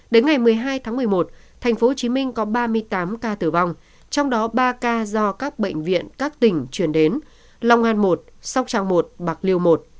đến ngày một mươi hai tháng một mươi một tp hcm có ba mươi tám ca tử vong trong đó ba ca do các bệnh viện các tỉnh chuyển đến long an một sóc trăng một bạc liêu một